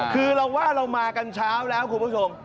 คือเราว่าเรามากันเช้าแล้วคุณผู้ชม